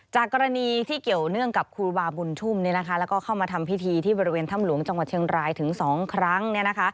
จากกรณีที่เกี่ยวเนื่องกับครูบาบุญชุ่มแล้วก็เข้ามาทำพิธีที่บริเวณถ้ำหลวงจังหวัดเชียงรายถึง๒ครั้ง